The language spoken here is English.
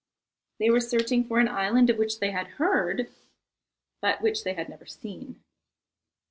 They were searching for an island of which they had heard, but which they had never seen.